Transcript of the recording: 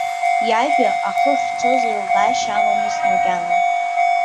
Иажәа ахы ахьцоз еилкаашьа амамызт макьана.